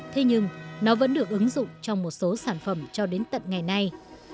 thế nhưng nó vẫn được ứng dụng trong một số sản phẩm cho đến tận ngày nay